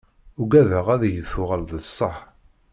Ugadeɣ ad iyi-tuɣal d ṣṣeḥ.